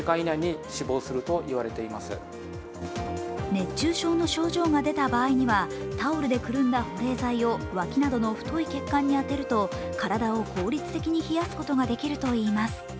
熱中症の症状が出た場合には、タオルでくるんだ保冷剤をわきなどの太い血管に当てると体を効率的に冷やすことができるといいます。